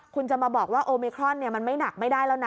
คุณจะมาบอกว่าโอมิครอนมันไม่หนักไม่ได้แล้วนะ